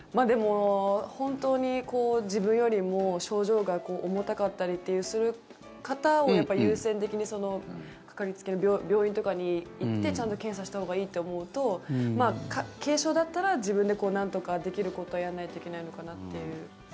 でも本当に自分よりも症状が重たかったりする方を優先的にかかりつけの病院とかに行ってちゃんと検査したほうがいいって思うと軽症だったら、自分でなんとかできることをやらないといけないのかなという。